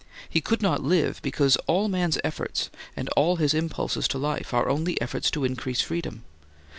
He could not live, because all man's efforts, all his impulses to life, are only efforts to increase freedom.